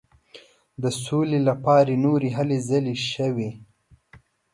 د سولي لپاره نورې هلې ځلې شوې.